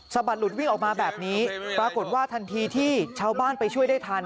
บัดหลุดวิ่งออกมาแบบนี้ปรากฏว่าทันทีที่ชาวบ้านไปช่วยได้ทัน